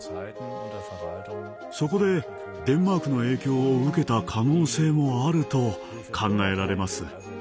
そこでデンマークの影響を受けた可能性もあると考えられます。